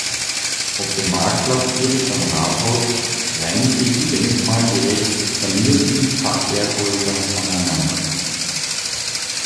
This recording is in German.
Auf dem Marktplatz direkt am Rathaus reihen sich die denkmalgerecht sanierten Fachwerkhäuser aneinander.